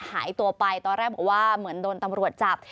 หายตัวไปตอนแรกบอกว่าเหมือนโดนตำรวจจับ